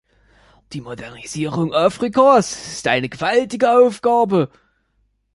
Die Modernisierung Afrikas ist eine gewaltige Aufgabe.